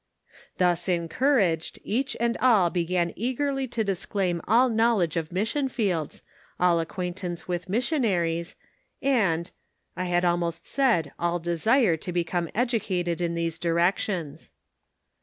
Thus encouraged, each and all began eagerly to disclaim all knowledge of mission fields, all acquaintance with missionaries, and — I had almost said all desire to become educated in these directions.